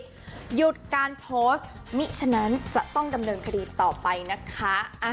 หยุดการโพสต์มิฉะนั้นจะต้องดำเนินคดีต่อไปนะคะ